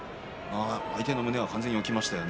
相手の胸が完全に起きましたよね